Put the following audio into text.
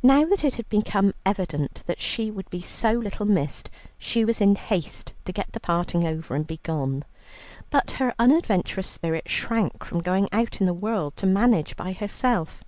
Now that it became evident that she would be so little missed, she was in haste to get the parting over and be gone. But her unadventurous spirit shrank from going out in the world to manage by itself.